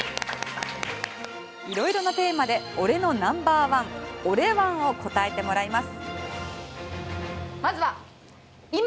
色々なテーマで俺のナンバーワンＯＲＥ−１を答えてもらいます。